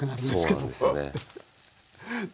そうなんですよね。